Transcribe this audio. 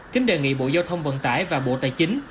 kính đề nghị bộ giao thông vận tải và bộ tài chính